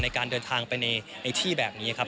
ในการเดินทางไปในที่แบบนี้ครับ